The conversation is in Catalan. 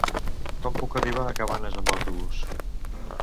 Com puc arribar a Cabanes amb autobús?